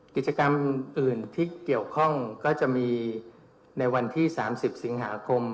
กิจกรรมอื่นที่เกี่ยวข้องก็จะมีในวันที่๓๐สิงหาคม